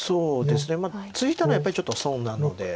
ツイだらやっぱりちょっと損なので。